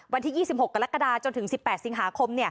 วันที่๒๖กรกฎาจนถึง๑๘สิงหาคม